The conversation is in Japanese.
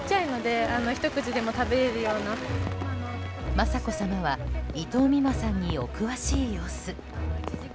雅子さまは伊藤美誠さんにお詳しい様子。